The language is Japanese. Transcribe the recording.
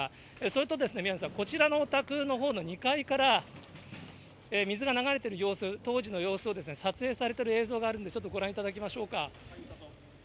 それと宮根さん、こちらのお宅のほうの２階から、水が流れている様子、当時の様子が撮影されている映像があるのでちょっとご覧いただきましょうか。